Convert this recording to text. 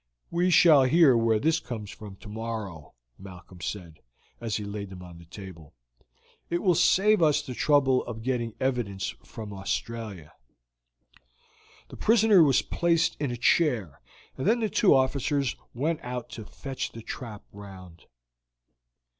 "We shall hear where this comes from tomorrow," Malcolm said, as he laid them on the table; "it will save us the trouble of getting evidence from Australia." The prisoner was placed in a chair, and then the two officers went out to fetch the trap round.